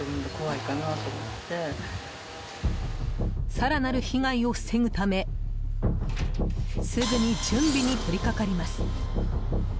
更なる被害を防ぐためすぐに準備に取りかかります。